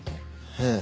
ええ。